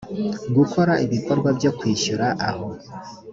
gukora ibikorwa byo kwishyura aho